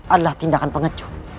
adalah tindakan pengecut